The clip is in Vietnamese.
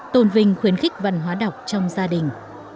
tôn vinh khuyến khích văn hóa đọc trong gia đình